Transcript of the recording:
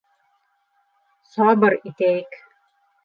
Сабыр итәйек.